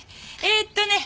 えーっとね